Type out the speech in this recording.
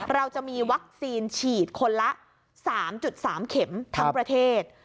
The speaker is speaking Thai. เราจะมีวัคซีนฉีดคนละ๓๓เข็มทั้งประเทศ